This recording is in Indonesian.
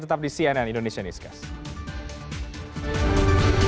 tetap di cnn indonesia newscast